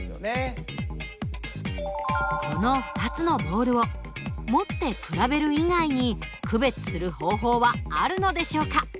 この２つのボールを持って比べる以外に区別する方法はあるのでしょうか？